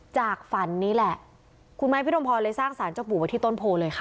จากฝันนี้แหละคุณไม้พิรมพรเลยสร้างสารเจ้าปู่ไว้ที่ต้นโพเลยค่ะ